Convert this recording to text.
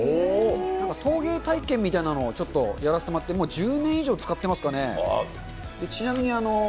なんか陶芸体験みたいなのをちょっと、やらせてもらって、もう１０年以上、使ってますかね。